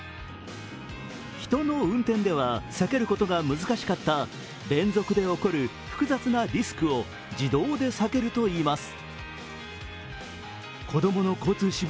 人の運転では避けることが難しかった連続で起こる複雑なリスクを自動で避けるといいます。